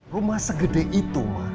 rumah segede itu